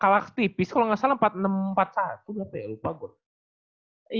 kalo tipis kalo gak salah empat puluh enam empat puluh satu berarti ya lupa gua